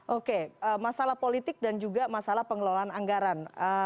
oke masalah politik dan juga masalah pengelolaan anggaran